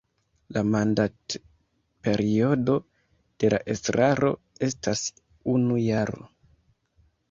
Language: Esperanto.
La mandatperiodo de la estraro estas unu jaro.